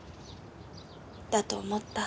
だと思った。